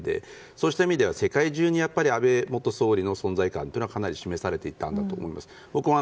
そうした意味では、世界中に安倍元総理の存在感というのは示されていたんだと思います。